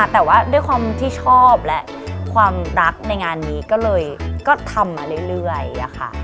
แต่ว่าด้วยความที่ชอบและความรักในงานนี้ก็เลยทำมาเรื่อยค่ะ